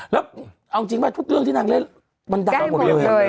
แล้วเอาจริงป่ะทุกเรื่องที่นางเล่นมันดังหมดเลย